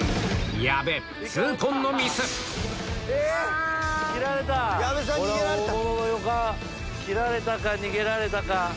矢部痛恨の切られたか逃げられたか。